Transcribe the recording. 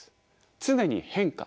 常に変化